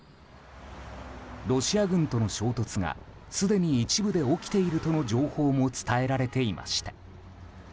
ロシア軍との衝突がすでに一部で起きているとの情報も伝えられていました。